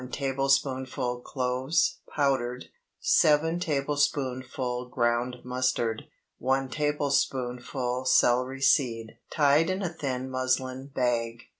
1 tablespoonful cloves (powdered). 7 tablespoonful ground mustard. 1 tablespoonful celery seed (tied in a thin muslin bag).